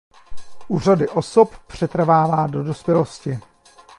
U řady osob přetrvává do dospělosti.